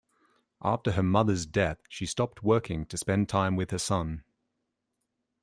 After her mother's death, she stopped working to spend time with her son.